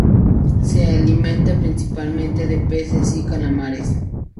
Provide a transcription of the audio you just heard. Se alimenta principalmente de peces y calamares.